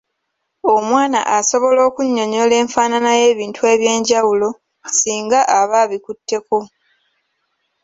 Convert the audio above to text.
Omwana asobola okunnyonnyola enfaanana y'ebintu eby’enjawulo singa aba abikutteko.